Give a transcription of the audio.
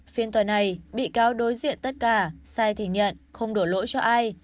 phiên tòa này bị cáo đối diện tất cả sai thì nhận không đổ lỗi cho ai